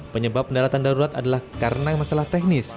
penyebab pendaratan darurat adalah karena masalah teknis